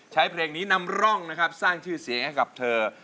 ใช้เพลงนี้นำร่องนะครับสร้างชื่อเสียงให้กับเธอ